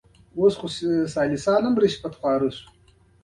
دا له افریقا له شماله راوړل کېدل